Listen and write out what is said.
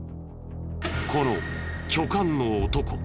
この巨漢の男。